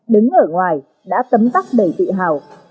đứng ở ngoài đã tấm tắc đầy tự hào